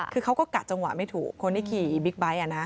คือเขาก็กะจังหวะไม่ถูกคนที่ขี่บิ๊กไบท์